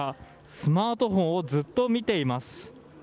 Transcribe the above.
スマートフォンをずっと見ています。